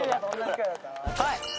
はい！